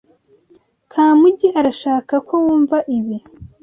Kamugi arashaka ko wumva ibi.